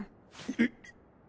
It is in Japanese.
えっ⁉